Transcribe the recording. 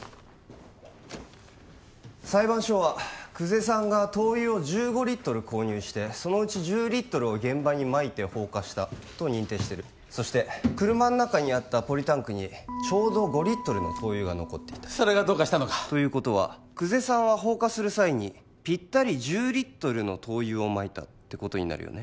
裁判所は久世さんが灯油を１５リットル購入してそのうち１０リットルを現場にまいて放火したと認定してるそして車の中にあったポリタンクにちょうど５リットルの灯油が残っていたそれがどうかしたのか？ということは久世さんは放火する際にぴったり１０リットルの灯油をまいたってことになるよね